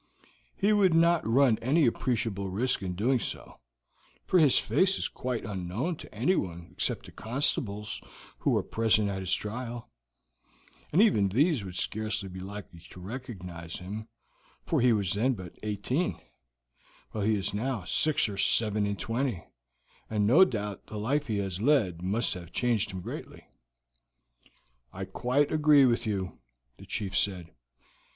"He would not run any appreciable risk in doing so, for his face is quite unknown to anyone except the constables who were present at his trial, and even these would scarcely be likely to recognize him, for he was then but eighteen, while he is now six or seven and twenty, and no doubt the life he has led must have changed him greatly." "I quite agree with you," the chief said.